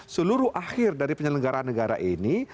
seluruh akhir dari penyelenggaraan negara ini